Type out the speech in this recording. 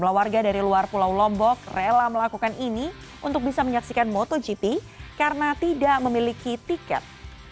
dua warga dari luar pulau lombok rela melakukan ini untuk bisa menyaksikan motogp karena tidak memiliki tiket